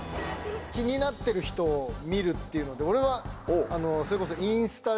気になってる人を見るっていうので俺はそれこそ。